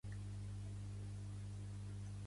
Les excursions que fèiem.